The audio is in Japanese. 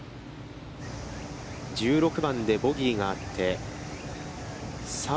１６番でボギーがあって、さあ、